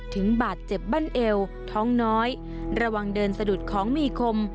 ถึงบาดเจ็บบั้นเอวท้องน้อยระวังเดินสะดุดของมีคม